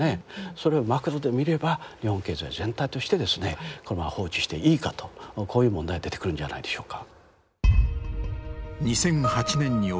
それをマクロで見れば日本経済全体としてですねこのまま放置していいかとこういう問題が出てくるんじゃないでしょうか。